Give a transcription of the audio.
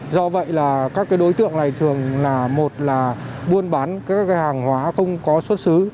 do vậy các đối tượng này thường là một là buôn bán hàng hóa không có xuất xứ